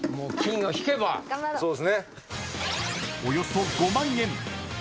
［およそ５万円